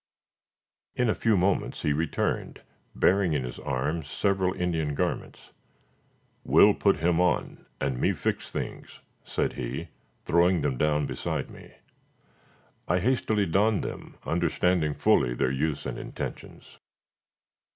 In a few moments he returned, bearing in his arms several Indian garments. "Will put him on, and me fix things," said he, throwing them down beside me. I hastily donned them, understanding fully their use and intentions.